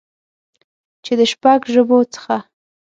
چې د شپږ ژبو څخه